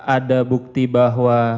ada bukti bahwa